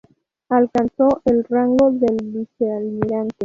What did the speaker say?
Alcanzó el rango de vicealmirante.